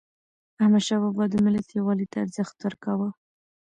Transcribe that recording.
احمدشاه بابا د ملت یووالي ته ارزښت ورکاوه.